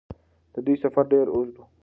د دوی سفر ډېر اوږد و.